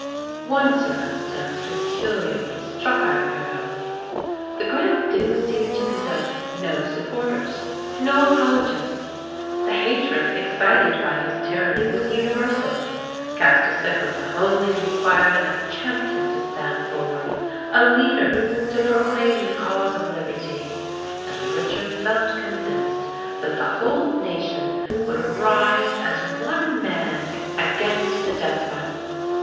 One circumstance peculiarly struck our hero: the Grand Duke seemed to possess no supporters—no apologists. The hatred excited by his tyranny was universal. Castelcicala only required a champion to stand forward—a leader to proclaim the cause of liberty—and Richard felt convinced that the whole nation would rise as one man against the despot.